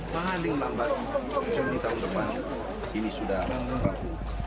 paham dengan lambat jika di tahun depan ini sudah meraku